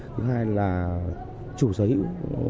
thứ hai là chủ sở hữu